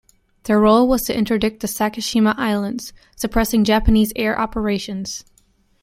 Their role was to interdict the Sakishima Islands, suppressing Japanese air operations.